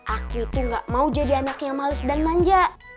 aku tuh gak mau jadi anak yang males dan manja